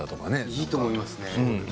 いいと思いますね。